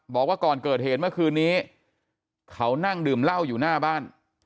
บอกว่าก่อนเกิดเหตุเมื่อคืนนี้เขานั่งดื่มเหล้าอยู่หน้าบ้าน